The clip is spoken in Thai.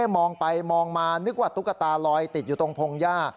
มองไปมองมานึกว่าตุ๊กตาลอยติดอยู่ตรงพงหญ้า